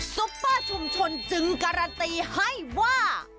ซุปเปอร์ชุมชนจึงการันตีให้ว่า